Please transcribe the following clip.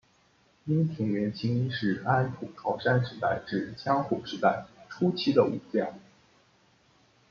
樱田元亲是安土桃山时代至江户时代初期的武将。